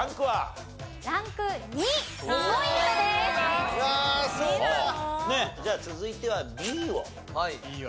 はいはい。